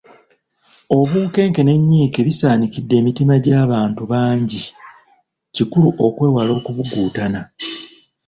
Obunkenke n’ennyiike bisaanikidde emitima gy’abantu bangi, kikulu okwewala okubugutana.